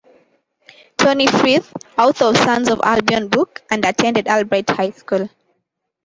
Tony Freeth, Author of Sons Of Albion book, and attended Albright High School.